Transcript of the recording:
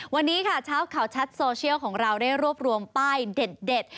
วันนี้ค่ะเช้าข่าวชัดโซเชียลของเราได้รวบรวมป้ายเด็ด